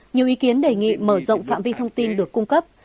nhiều ý kiến đề nghị mở rộng phạm vi thông tin được cung cấp